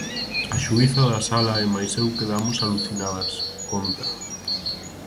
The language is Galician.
A xuíza da sala e mais eu quedamos alucinadas, conta.